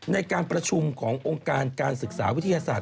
ในการประชุมขององค์การการศึกษาวิทยาศาสต